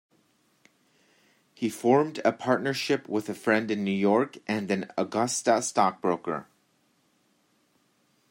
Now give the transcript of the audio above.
He formed a partnership with a friend in New York and an Augusta stockbroker.